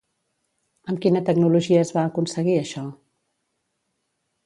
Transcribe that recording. Amb quina tecnologia es va aconseguir això?